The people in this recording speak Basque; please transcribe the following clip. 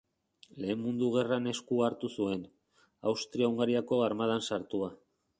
Lehen Mundu Gerran esku hartu zuen, Austria-Hungariako armadan sartua.